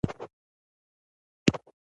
ارواپوهنې ګروپ